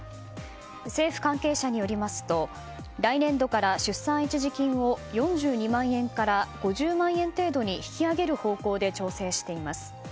政府関係者によりますと来年度から出産一時金を４２万円から５０万円程度に引き上げる方向で調整しています。